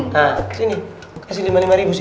hah sini kasih lima lima ribu sih